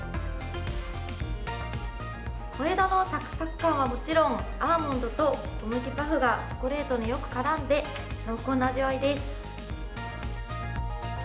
小枝のさくさく感はもちろん、アーモンドと小麦パフがチョコレートによくからんで、濃厚な味わいです。